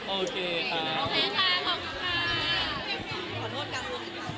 โอเคครับ